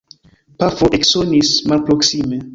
Pafo eksonis malproksime.